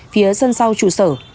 phía sân sau trụ sở